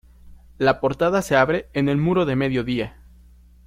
La portada se abre en el muro de mediodía.